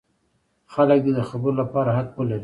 خلک دې د خبرو لپاره حق ولري.